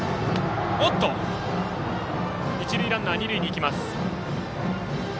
一塁ランナー、二塁へ行きます。